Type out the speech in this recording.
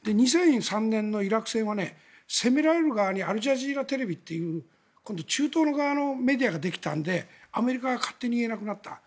２００３年のイラク戦は攻められる側にアルジャジーラテレビという今度、中東の側のメディアができたのでアメリカが勝手に言えなくなった。